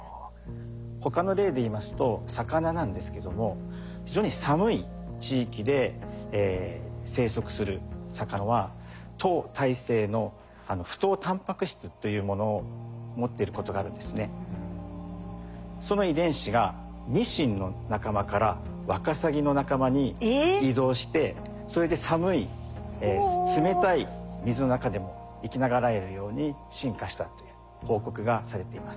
他の例で言いますと魚なんですけどもその遺伝子がニシンの仲間からワカサギの仲間に移動してそれで寒い冷たい水の中でも生き長らえるように進化したという報告がされています。